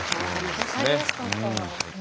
分かりやすかった。